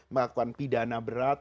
melakukan pidana berat